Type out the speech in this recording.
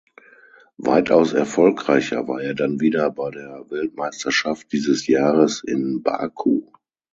Weitaus erfolgreicher war er dann wieder bei der Weltmeisterschaft dieses Jahres in Baku.